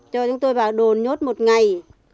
cho chúng tôi vào đồn nhốt một ngày